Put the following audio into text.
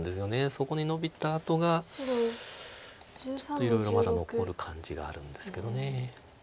そこにノビたあとがちょっといろいろまだ残る感じがあるんですけど。